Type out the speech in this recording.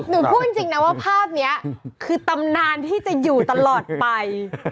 พูดจริงนะว่าภาพนี้คือตำนานที่จะอยู่ตลอดไป